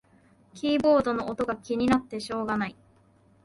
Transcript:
キーボードの音が気になってしょうがない